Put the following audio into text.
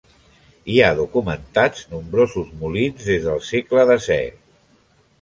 Hi ha documentats nombrosos molins des del segle desè.